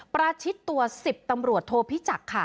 ปราชิดตัว๑๐ตำรวจโทรพิจักษ์